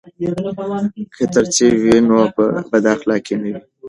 که تربیت وي نو بداخلاقي نه وي.